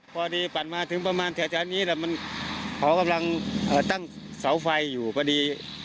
พอดีปานมาถึงประมาณแถวแถวนี้แต่มันเกาะกำลังตั้งเสาไฟอยู่ปะดี